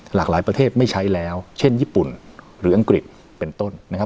หลากหลายประเทศไม่ใช้แล้วเช่นญี่ปุ่นหรืออังกฤษเป็นต้นนะครับ